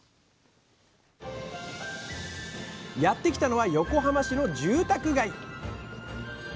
やって来たのは横浜市の住宅街